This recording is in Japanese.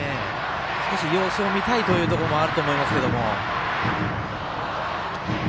少し様子を見たいというところもあると思いますけれども。